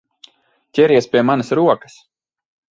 Ķeries pie manas rokas!